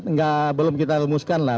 nggak belum kita rumuskan lah